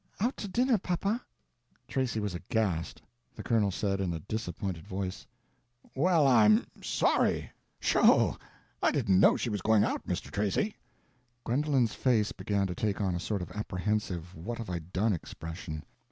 "Out to dinner, papa." Tracy was aghast. The colonel said, in a disappointed voice: "Well, I'm sorry. Sho, I didn't know she was going out, Mr. Tracy." Gwendolen's face began to take on a sort of apprehensive What have I done expression.